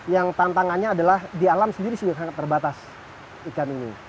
yang tantangannya adalah di alam sendiri sudah sangat terbatas ikan ini